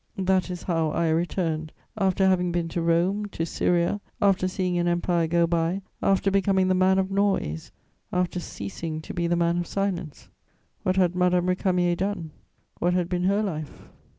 That is how I returned, after having been to Rome, to Syria, after seeing an empire go by, after becoming the man of noise, after ceasing to be the man of silence. What had Madame Récamier done? What had been her life?